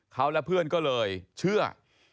เขาและเพื่อนก็เลยเชื่อ